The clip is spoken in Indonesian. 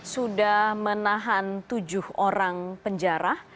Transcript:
sudah menahan tujuh orang penjara